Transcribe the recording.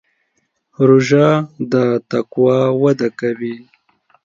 روژه د تقوا وده کوي.